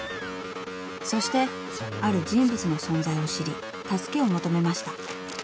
［そしてある人物の存在を知り助けを求めました］